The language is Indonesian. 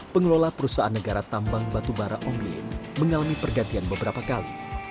pengelola perusahaan negara tambang batu bara ombilin mengalami pergantian beberapa kali